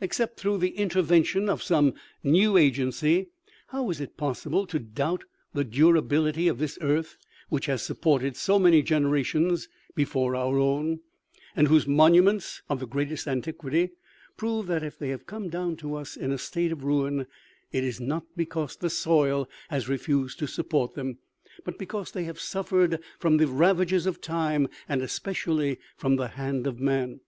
Hxcept through the intervention of some new agency, how is it possible to doubt the durabil ity of this earth which has supported so many generations before our own, and whose monuments, of the greatest antiquity, prove that if they have come down to us in a state of ruin, it is not because the soil has refused to support them, but because they have suffered from the rav ages of time and especially from the hand of man